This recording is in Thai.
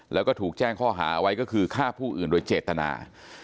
แล้วก็ถูกแจ้งข้อหาไว้ก็คือฆ่าผู้อื่นโดยเจตนา